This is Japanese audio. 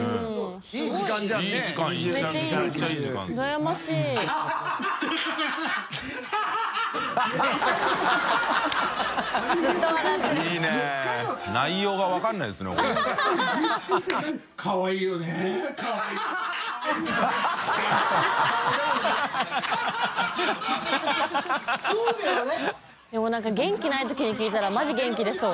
村重）でも何か元気ないときに聴いたらマジ元気出そう。